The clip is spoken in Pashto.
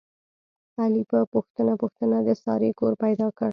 علي په پوښته پوښتنه د سارې کور پیدا کړ.